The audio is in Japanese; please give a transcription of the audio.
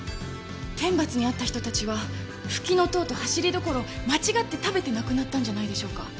天罰に遭った人たちはフキノトウとハシリドコロを間違って食べて亡くなったんじゃないでしょうか。